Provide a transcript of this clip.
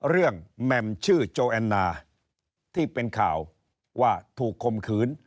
แหม่มชื่อโจแอนนาที่เป็นข่าวว่าถูกคมขืน